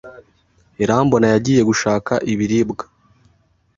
Irambona yagiye gushaka ibiribwa.